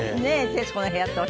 『徹子の部屋』は